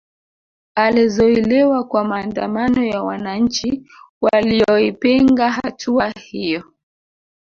Alizuiliwa kwa maandamano ya wananchi walioipinga hatua hiyo